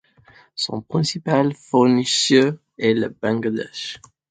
Son principal fournisseur est le Bangladesh.